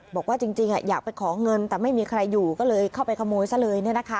บอกว่าจริงอยากไปขอเงินแต่ไม่มีใครอยู่ก็เลยเข้าไปขโมยซะเลย